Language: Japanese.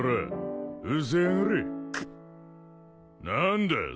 何だ？